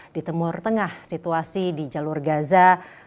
di timur tengah situasi di jalur gaza